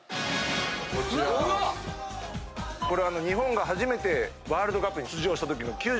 日本が初めてワールドカップに出場したときの。